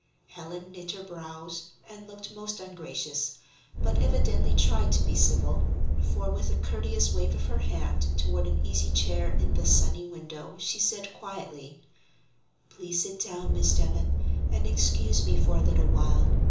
Helen knit her brows and looked most ungracious, but evidently tried to be civil, for with a courteous wave of her hand toward an easy chair in the sunny window she said, quietly: "Please sit down, Miss Devon, and excuse me for a little while.